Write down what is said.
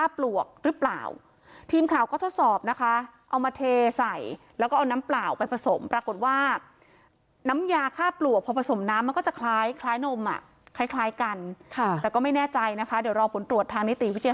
เพราะว่ามันจากไหนไม่รู้เนี่ย